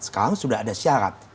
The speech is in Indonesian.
sekarang sudah ada syarat